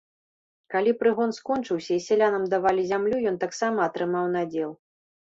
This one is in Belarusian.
Калі прыгон скончыўся і сялянам давалі зямлю, ён таксама атрымаў надзел.